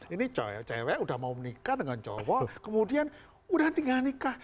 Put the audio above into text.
ini cewek cewek udah mau menikah dengan cowok kemudian udah tinggal nikah